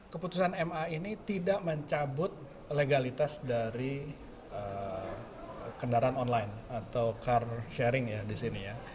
keputusan ma ini tidak mencabut legalitas dari kendaraan online atau car sharing ya di sini ya